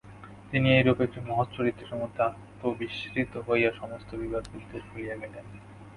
তিনি এইরূপ একটি মহৎ চরিত্রের মধ্যে আত্মবিস্মৃত হইয়া সমস্ত বিবাদ বিদ্বেষ ভুলিয়া গেলেন।